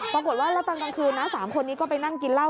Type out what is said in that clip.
ปรากฏว่าแล้วตอนกลางคืนนะ๓คนนี้ก็ไปนั่งกินเหล้า